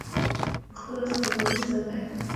په خپل لاس کار کول عزت دی.